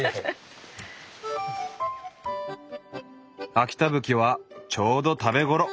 秋田ぶきはちょうど食べ頃。